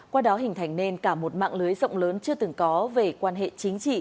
qua đó hình thành nên cả một mạng lưới rộng lớn chưa từng có về quan hệ chính trị